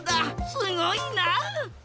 すごいな！